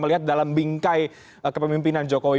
lihat dalam bingkai ke pemimpinan jokowi